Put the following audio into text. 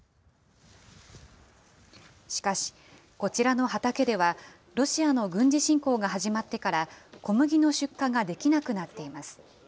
しかし、こちらの畑ではロシアの軍事侵攻が始まってから、小麦の出荷ができなくなっています。